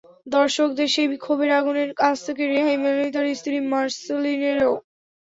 দর্শকদের সেই ক্ষোভের আগুনের আঁচ থেকে রেহাই মেলেনি তাঁর স্ত্রী মার্শেনিলেরও।